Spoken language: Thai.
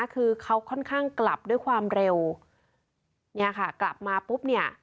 คือเขาค่อนข้างกลับด้วยความเร็วเนี่ยค่ะกลับมาปุ๊บเนี่ย